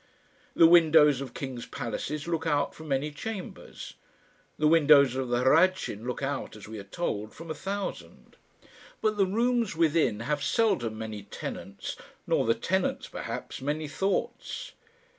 The windows of kings' palaces look out from many chambers. The windows of the Hradschin look out, as we are told, from a thousand. But the rooms within have seldom many tenants, nor the tenants, perhaps, many thoughts.